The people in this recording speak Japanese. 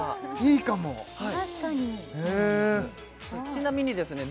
ちなみにですね